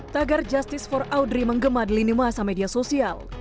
tagar justice for audrey menggema di lini masa media sosial